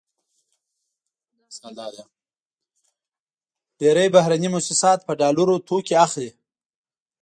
ډېری بهرني موسسات په ډالرو توکې اخلي.